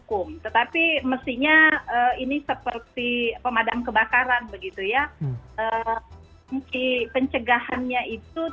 kalau yang akan dikenakan dalam satu satu